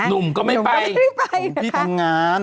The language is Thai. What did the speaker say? หนุ่มก็ไม่ไปหนุ่มก็ไม่ได้ไปนะคะของพี่ทำงาน